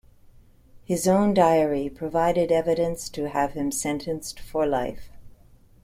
His own diary provided evidence to have him sentenced for life.